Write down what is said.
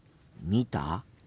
見た？